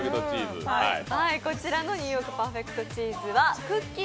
こちらのニューヨークパーフェクトチーズはくっきー！